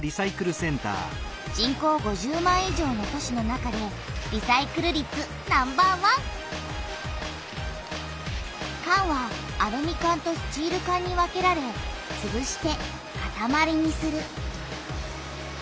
人口５０万以上の都市の中でかんはアルミかんとスチールかんに分けられつぶしてかたまりにする。